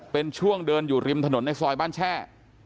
เป็นช่วงเดินอยู่ริมถนนในซอยบ้านแช่